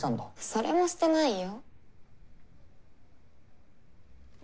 それもしてないよ。